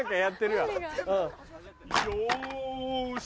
よし。